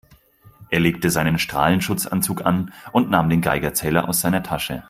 Er legte seinen Strahlenschutzanzug an und nahm den Geigerzähler aus seiner Tasche.